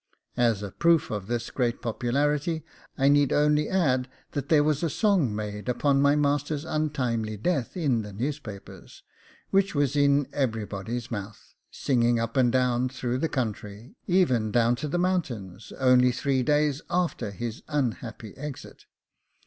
As a proof of his great popularity, I need only add that there was a song made upon my master's untimely death in the newspapers, which was in everybody's mouth, singing up and down through the country, even down to the mountains, only three days after his unhappy exit.